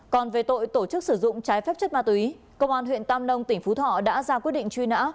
còn về tội tổ chức sử dụng trái phép chất ma túy công an huyện tam nông tỉnh phú thọ đã ra quyết định truy nã